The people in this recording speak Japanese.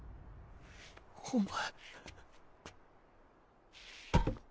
お前。